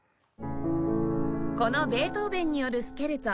このベートーヴェンによるスケルツォ